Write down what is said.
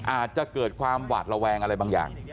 อาจจะเกิดความหวาดระแวงอะไรบางอย่าง